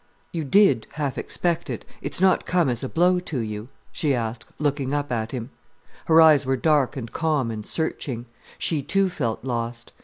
"You did half expect it—it's not come as a blow to you?" she asked, looking up at him. Her eyes were dark and calm and searching. She too felt lost.